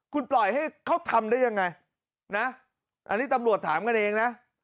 คุณปล่อยให้เขาทำได้ยังไงนะอันนี้ตำรวจถามกันเองนะ